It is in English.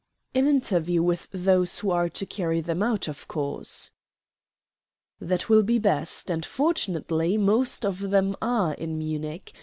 "An interview with those who are to carry them out, of course." "That will be best; and fortunately most of them are in Munich.